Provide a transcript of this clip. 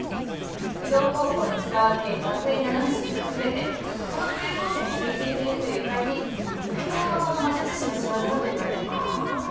不動高校に伝わっている学園七不思議は全てこの旧校舎にすみ着いているという怪人放課後の魔術師の仕業だといわれている。